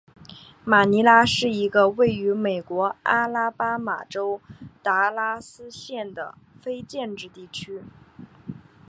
马尼拉是一个位于美国阿拉巴马州达拉斯县的非建制地区。